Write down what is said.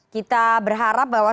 kita berharap bahwa